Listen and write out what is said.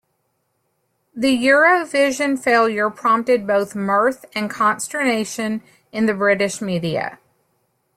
The Eurovision failure prompted both mirth and consternation in the British media.